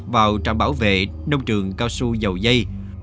vào trạm bảo vệ nông trường cao su dầu dây